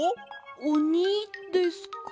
おにですか？